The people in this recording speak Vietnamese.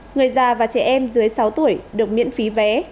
người già và trẻ em dưới sáu tuổi được miễn phí vé